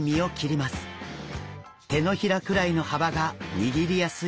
手のひらくらいの幅が握りやすい大きさです。